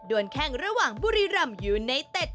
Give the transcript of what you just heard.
ด้วยแข่งระหว่างบุรีรัมย์ยูเนตเต็ด